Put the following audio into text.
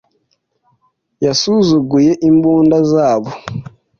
yasuzuguye imbunda zabo.